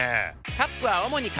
カップは主に紙。